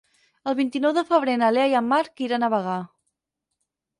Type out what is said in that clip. El vint-i-nou de febrer na Lea i en Marc iran a Bagà.